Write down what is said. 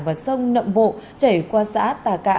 và sông nậm bộ chảy qua xã tà cạ